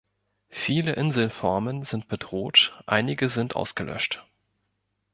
Viele Inselformen sind bedroht, einige sind ausgelöscht.